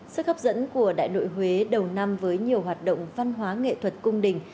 sức hấp dẫn của đại nội huế đầu năm với nhiều hoạt động văn hóa nghệ thuật cung đình